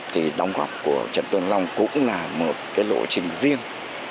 thì đóng góp của trần tuấn long cũng là một cái lộ trình riêng